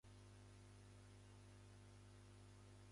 新しい趣味を見つける